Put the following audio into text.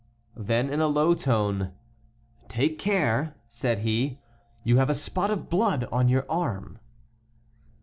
Then in a low tone: "Take care!" said he, "you have a spot of blood on your arm."